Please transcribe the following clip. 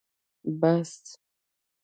بس